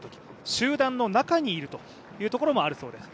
集団の中にいるというところもあるそうです。